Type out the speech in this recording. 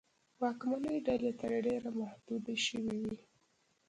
واکمنې ډلې تر ډېره محدودې شوې وې.